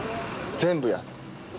全部や！